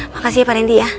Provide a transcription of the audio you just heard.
makasih ya pak rendy ya